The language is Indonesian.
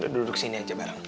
duduk sini aja bareng